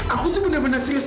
aku tuh bener bener serius